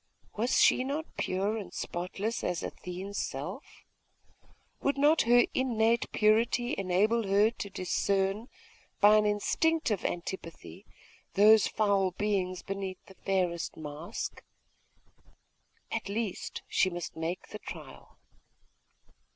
Was she not pure and spotless as Athene's self? Would not her innate purity enable her to discern, by an instinctive antipathy, those foul beings beneath the fairest mask? At least, she must make the trial....